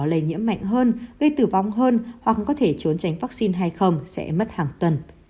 lây nhiễm mạnh hơn gây tử vong hơn hoặc có thể trốn tránh vaccine hay không sẽ mất hàng tuần